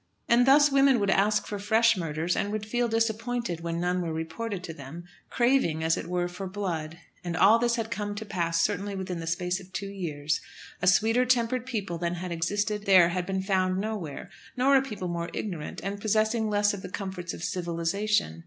And thus the women would ask for fresh murders, and would feel disappointed when none were reported to them, craving, as it were, for blood. And all this had come to pass certainly within the space of two years! A sweeter tempered people than had existed there had been found nowhere; nor a people more ignorant, and possessing less of the comforts of civilisation.